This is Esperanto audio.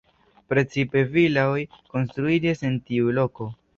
Precipe vilaoj konstruiĝis en tiu loko.